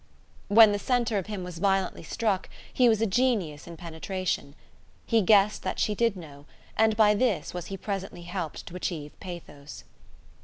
When the centre of him was violently struck he was a genius in penetration. He guessed that she did know: and by this was he presently helped to achieve pathos.